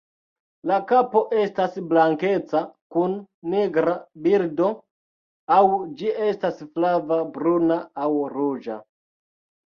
La kapo estas blankeca kun nigra bildo, aŭ ĝi estas flava, bruna aŭ ruĝa.